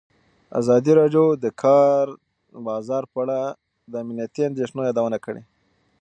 ازادي راډیو د د کار بازار په اړه د امنیتي اندېښنو یادونه کړې.